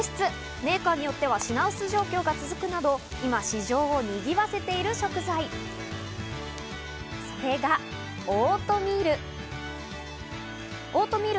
メーカーによっては品薄状況が続くなど、今市場をにぎわせている食材、それがオートミール。